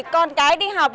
con cái đi học